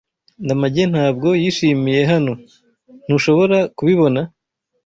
Ndamage ntabwo yishimiye hano. Ntushobora kubibona?